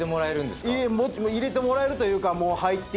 入れてもらえるというか。